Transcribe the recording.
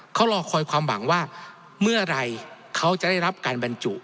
เขารอคอยความหวังว่าเมื่อไหร่เขาจะได้รับการบรรจุ